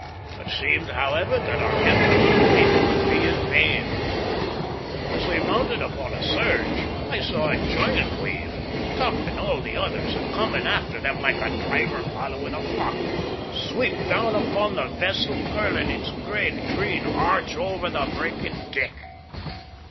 It seemed, however, that our efforts were fated to be in vain. As we mounted upon a surge I saw a giant wave, topping all the others, and coming after them like a driver following a flock, sweep down upon the vessel, curling its great, green arch over the breaking deck.